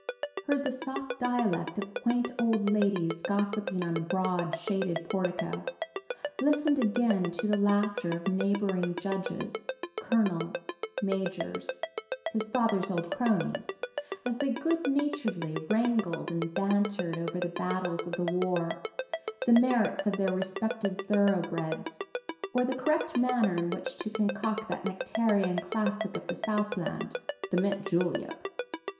heard the soft dialect of quaint old ladies gossiping on the broad, shaded portico ... listened again to the laughter of neighboring judges, colonels, majors his father's old cronies as they good naturedly wrangled and bantered over the battles of the War, the merits of their respective thoroughbreds, or the correct manner in which to concoct that nectarian classic of the Southland, the mint julep!